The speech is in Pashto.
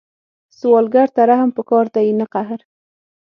سوالګر ته رحم پکار دی، نه قهر